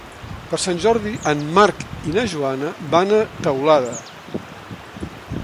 Per Sant Jordi en Marc i na Joana van a Teulada.